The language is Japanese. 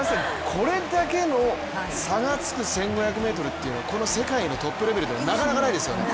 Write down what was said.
これだけの差がつく１５００ｍというのはこの世界のトップレベルでなかなかないですよね。